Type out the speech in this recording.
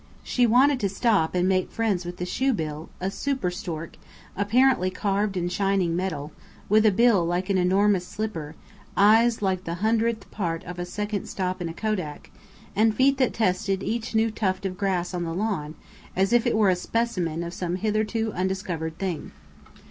She wanted to stop and make friends with the Shoebill, a super stork, apparently carved in shining metal, with a bill like an enormous slipper, eyes like the hundredth part of a second stop in a Kodak, and feet that tested each new tuft of grass on the lawn, as if it were a specimen of some hitherto undiscovered thing.